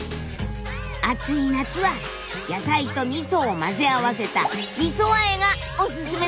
暑い夏は野菜とみそを混ぜ合わせたみそあえがオススメなんだ！